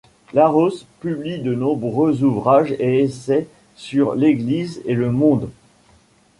Laros publie de nombreux ouvrages et essais sur l'église et le monde.